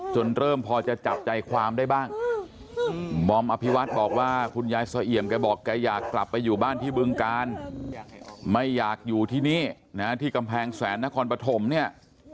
เริ่มพอจะจับใจความได้บ้างมอมอภิวัฒน์บอกว่าคุณยายเสี่ยมแกบอกแกอยากกลับไปอยู่บ้านที่บึงการไม่อยากอยู่ที่นี่นะที่กำแพงแสนนครปฐมเนี่ย